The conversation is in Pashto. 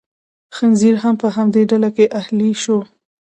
خنزیر هم په همدې ډله کې اهلي شو.